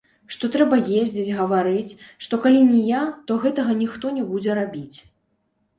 Што трэба ездзіць, гаварыць, што калі не я, то гэтага ніхто не будзе рабіць.